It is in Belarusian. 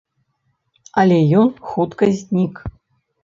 Але ён хутка знік.